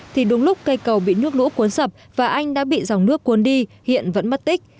thì đúng lúc cây cầu bị nước lũ cuốn sập và anh đã bị dòng nước cuốn đi hiện vẫn mất tích